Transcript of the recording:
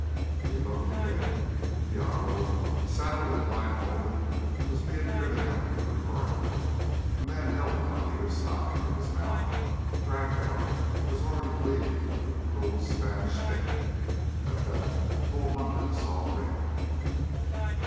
He looked again. Diablo, saddled and blindfolded was being driven out of the corral; a man held him on either side, and his mouth, dragged out, was already bleeding from the cruel Spanish bit. At that Bull Hunter saw red.